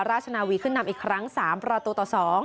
ราชนาวีขึ้นนำอีกครั้ง๓ประตูต่อ๒